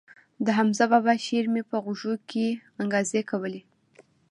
د حمزه بابا شعر مې په غوږو کښې انګازې کولې.